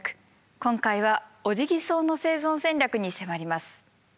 今回はオジギソウの生存戦略に迫ります。